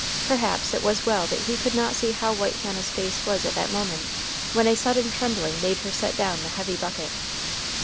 Perhaps it was well that he could not see how white Hannah's face was at that moment when a sudden trembling made her set down the heavy bucket.